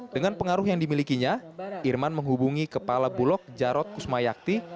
dengan pengaruh yang dimilikinya irman menghubungi kepala bulog jarod kusmayakti